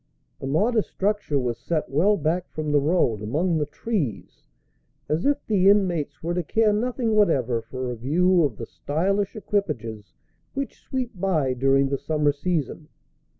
The modest structure was set well back from the road, among the trees, as if the inmates were to care nothing whatever for a view of the stylish equipages which sweep by during the summer season.